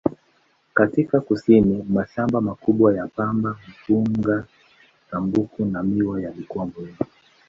Katika kusini, mashamba makubwa ya pamba, mpunga, tumbaku na miwa yalikuwa muhimu.